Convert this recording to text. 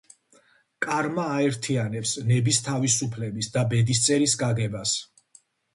კარმა აერთიანებს ნების თავისუფლების და ბედისწერის გაგებას.